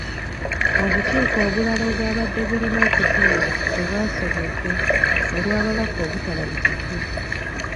Obukiiko obulala obwabadde bulina okutuula tebwasobodde olw'ababaka obutalabikako.